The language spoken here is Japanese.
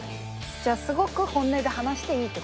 じゃあすごく本音で話していいって事？